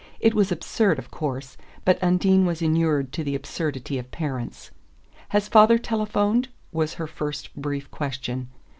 It was absurd, of course; but Undine was inured to the absurdity of parents. "Has father telephoned?" was her first brief question.